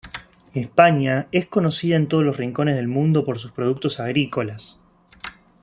España es conocida en todos los rincones del mundo por sus productos agrícolas.